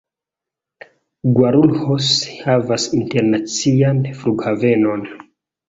Guarulhos havas internacian flughavenon.